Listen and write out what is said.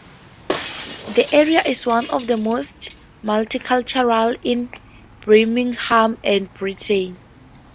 The area is one of the most multicultural in Birmingham and Britain.